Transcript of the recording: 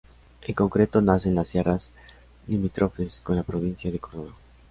En concreto nace en las sierras limítrofes con la provincia de Córdoba.